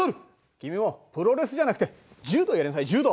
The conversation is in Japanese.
君もプロレスじゃなくて柔道やりなさい柔道！